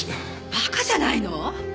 馬鹿じゃないの？